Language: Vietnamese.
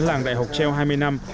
đà nẵng đại học tp đà nẵng vừa qua